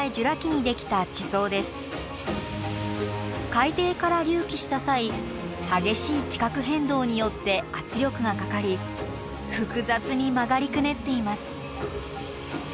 海底から隆起した際激しい地殻変動によって圧力がかかり複雑に曲がりくねっています。